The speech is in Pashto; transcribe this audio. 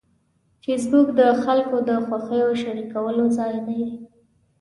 فېسبوک د خلکو د خوښیو شریکولو ځای دی